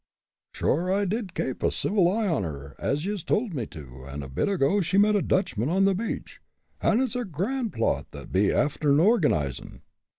"Sure I did kape a civil eye on her, as yez told me to, and a bit ago she met a Dutchman on the beach, an' it's a grand plot tha be afther organizin'.